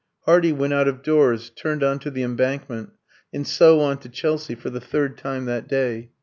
Hardy went out of doors, turned on to the Embankment, and so on to Chelsea, for the third time that day.